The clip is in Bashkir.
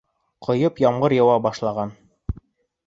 Ҡойоп ямғыр яуа башлаған.